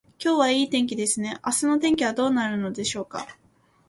今日はいい天気ですね。明日の天気はどうなるでしょうか。